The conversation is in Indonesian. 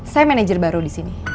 saya manajer baru disini